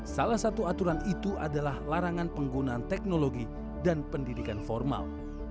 salah satu aturan itu adalah larangan penggunaan teknologi dan pendidikan formal